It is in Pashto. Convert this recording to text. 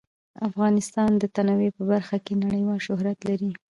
افغانستان د تنوع په برخه کې نړیوال شهرت لري.